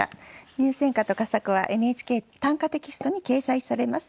入選歌と佳作は「ＮＨＫ短歌テキスト」に掲載されます。